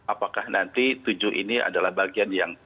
apakah nanti tujuh ini adalah bagian yang